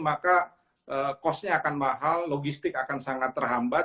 maka kosnya akan mahal logistik akan sangat terhambat